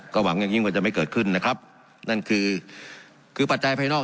ก็หวังอย่างยิ่งว่าจะไม่เกิดขึ้นนะครับนั่นคือคือปัจจัยภายนอก